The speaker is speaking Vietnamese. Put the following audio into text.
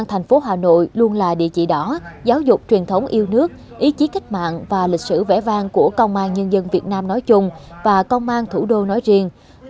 thành phố hà nội luôn là địa chỉ đỏ giáo dục truyền thống yêu nước ý chí cách mạng và lịch sử vẽ vang của công an nhân dân việt nam nói chung và công an thủ đô nói riêng